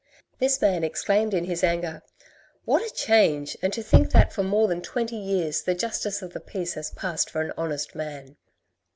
This man exclaimed in his anger " What a change ! and to think that for more than twenty years the Justice of the Peace has passed for an honest man."